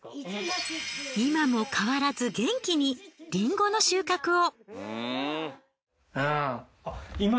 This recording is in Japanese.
今も変わらず元気にリンゴの収穫を！